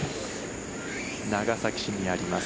長崎にあります